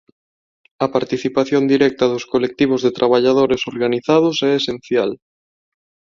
A participación directa dos colectivos de traballadores organizados é esencial.